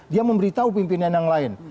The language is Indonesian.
dia memberitahu pimpinan yang lain